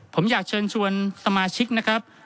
ผมอยากเชิญชวนสมาชิกนะครับ